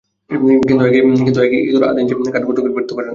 কিন্তু একই ইঁদুর আধা ইঞ্চি কাঠ গর্ত করতে বেরোতে পারে না।